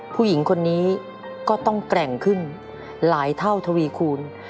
ผู้หญิงคนนี้ก็ต้องแกร่งขึ้นหลายเท่าทวีคูณ